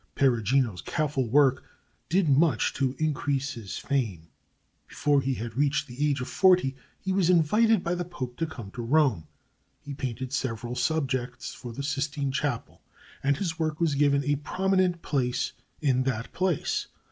Perugino's careful work did much to increase his fame. Before he had reached the age of forty he was invited by the Pope to come to Rome. He painted several subjects for the Sistine Chapel, and his work was given a prominent place in that place.